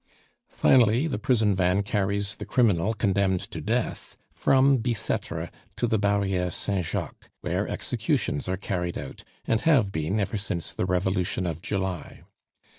Finally, the prison van carries the criminal condemned to death from Bicetre to the Barriere Saint Jacques, where executions are carried out, and have been ever since the Revolution of July.